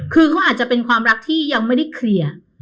คือเขาอาจจะเป็นความรักที่ยังไม่ได้เคลียร์